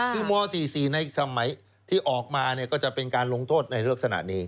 คือม๔๔ในสมัยที่ออกมาก็จะเป็นการลงโทษในลักษณะนี้